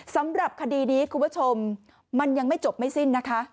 สำหรับคดีนี้คุณผู้ชมมันยังไม่จบไม่สิ้นนะคะ